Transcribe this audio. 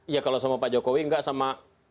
ya kalau sama pak jokowi enggak sama